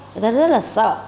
người ta rất là sợ